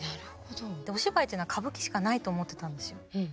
お芝居っていうのは歌舞伎しかないと思ってたんですよ。